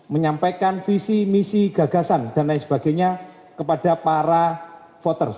menyampaikan visi misi gagasan dan lain sebagainya kepada para voters